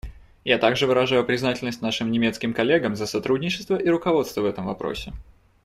Я также выражаю признательность нашим немецким коллегам за сотрудничество и руководство в этом вопросе.